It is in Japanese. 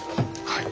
はい。